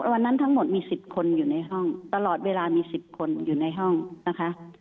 วันนั้นทั้งหมดมี๑๐คนอยู่ในห้องตลอดเวลามี๑๐คนอยู่ในห้องนะคะ